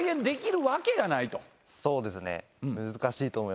そうですね。